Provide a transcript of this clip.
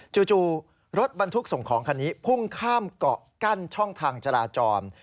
จู่รถบรรทุกส่งของคันนี้พุ่งข้ามเกาะกั้นช่องทางจราจร